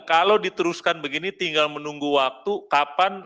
kalau diteruskan begini tinggal menunggu waktu kapan